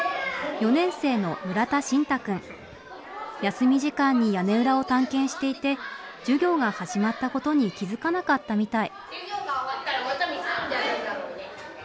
休み時間に屋根裏を探検していて授業が始まったことに気付かなかったみたい。